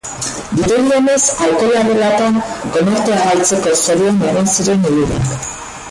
Dirudienez, alkohola dela eta, konortea galtzeko zorian egon ziren hirurak.